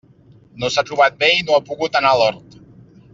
No s'ha trobat bé i no ha pogut anar a l'hort.